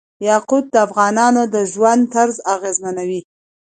یاقوت د افغانانو د ژوند طرز اغېزمنوي.